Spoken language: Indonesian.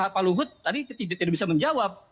pak luhut tadi tidak bisa menjawab